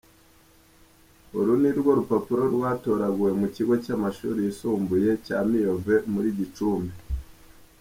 Uru ni rwo rupapuro rwatoraguwe mu Kigo cy’Amashuri Yisumbuye cya Miyove muri Gicumbi.